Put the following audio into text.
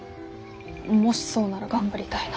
もしそうなら頑張りたいなって。